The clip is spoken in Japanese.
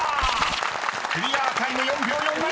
［クリアタイム４秒４７！］